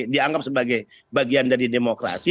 dianggap sebagai bagian dari demokrasi